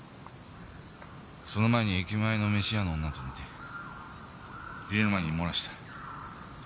その前に駅前の飯屋の女と寝て入れる前に漏らした。